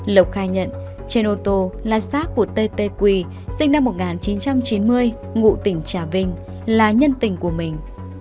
lộc khai nhận trên ô tô là sát của t t quy sinh năm một nghìn chín trăm chín mươi ngụ tỉnh trà vinh là nhân tình của mình